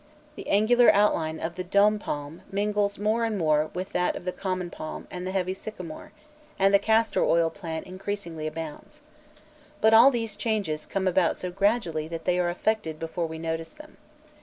The angular outline of the dom palni mingles more and more with that of the common palm and of the heavy sycamore, and the castor oil plant increasingly abounds. But all these changes come about so gradually that they are effected before we notice them.